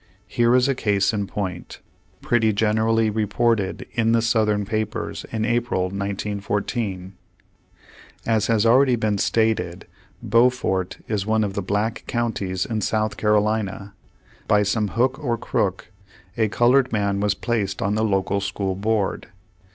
Here is a case in point, pretty generally reported in the Southern papers in April, 1914: As has already been stated, Beaufort is one of the black counties in South Carolina. By some hook or crook a colored man was placed on the local school board.